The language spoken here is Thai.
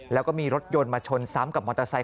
แล้วก็มีรถยนต์มาชนซ้ำกับมอเตอร์ไซค